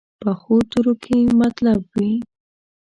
پخو تورو کې مطلب وي